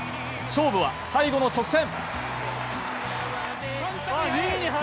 勝負は最後の直線。